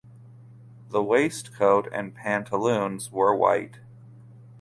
The waistcoat and pantaloons were white.